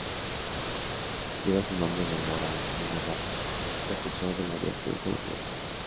Lleva su nombre en honor a Camilo Daza, precursor de la aviación colombiana.